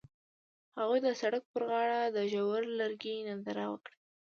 هغوی د سړک پر غاړه د ژور لرګی ننداره وکړه.